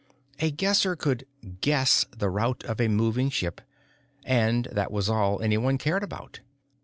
A Guesser could "guess" the route of a moving ship, and that was all anyone cared about.